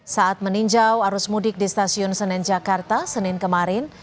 saat meninjau arus mudik di stasiun senen jakarta senin kemarin